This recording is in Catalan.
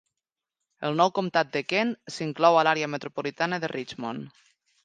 El nou comtat de Kent s'inclou a l'àrea metropolitana de Richmond.